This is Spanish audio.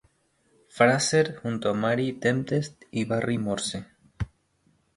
Fraser" junto a Marie Tempest y Barry Morse.